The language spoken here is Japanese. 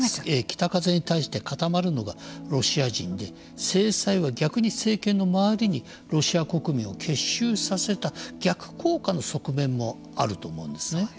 北風に対して固まるのがロシア人で制裁は逆に政権の周りにロシア国民を結集させた逆効果の側面もあると思うんですね。